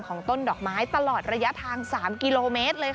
ต้นดอกไม้ตลอดระยะทาง๓กิโลเมตรเลยค่ะ